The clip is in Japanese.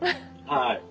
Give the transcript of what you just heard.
はい。